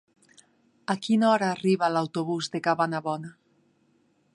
A quina hora arriba l'autobús de Cabanabona?